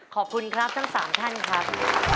ขอบคุณครับทั้ง๓ท่านครับ